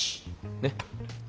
ねっ？